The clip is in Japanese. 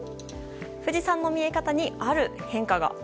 富士山の見え方に、ある変化が。